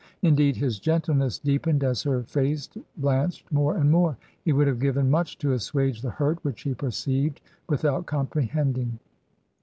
Indeed, his gentleness deepened as her face blanched more and more. He would have given much to assuage the hurt which he perceived without comprehending.